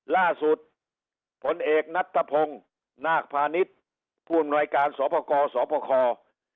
ล่าสุดผลเอกนัตรพงศ์นาคพานิษฐ์ผู้หน่วยการสวบครสวบคร